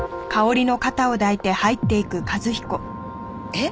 えっ！？